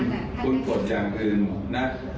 งานว่าคุณก็ไม่ได้หาเรื่องหนัก